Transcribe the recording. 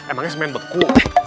emangnya semen beku